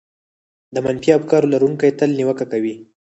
د منفي افکارو لرونکي تل نيوکه کوي.